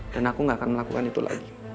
dan aku gak akan melakukan itu lagi